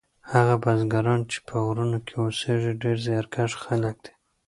هغه بزګران چې په غرو کې اوسیږي ډیر زیارکښ خلک دي.